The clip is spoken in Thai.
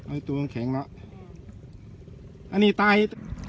อันนี้ตูงแข็งแหละอืมอันนี้ใต้